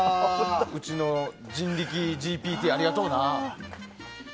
うちの人力ＧＰＴありがとうな。